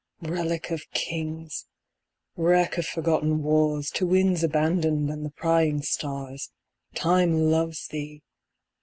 Relic of Kings! Wreck of forgotten wars, To winds abandoned and the prying stars, 10 Time 'loves' Thee!